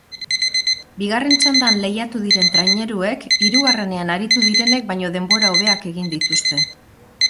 Bigarren txandan lehiatu diren traineruek hirugarrenean aritu direnek baino denbora hobeak egin dituzte.